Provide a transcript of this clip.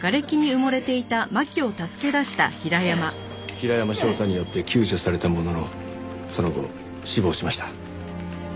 平山翔太によって救助されたもののその後死亡しました。